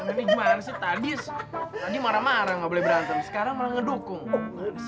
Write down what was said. nenek gimana sih tadi tadi marah marah ga boleh berantem sekarang malah ngedukung